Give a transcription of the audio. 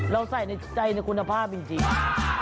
เราใส่ในใจในคุณภาพจริง